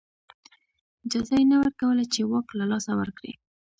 اجازه یې نه ورکوله چې واک له لاسه ورکړي.